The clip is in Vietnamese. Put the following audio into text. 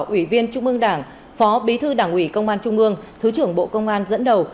ủy viên trung ương đảng phó bí thư đảng ủy công an trung ương thứ trưởng bộ công an dẫn đầu